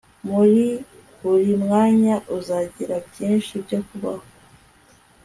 muri buri mwanya uzagira byinshi byo kubaho